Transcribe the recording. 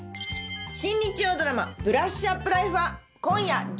新日曜ドラマ『ブラッシュアップライフ』は。